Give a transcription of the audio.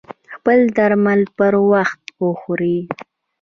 خپل درمل پر وخت وخوری